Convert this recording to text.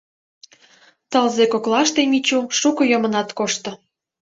Тылзе коклаште Мичу шуко йомынат кошто.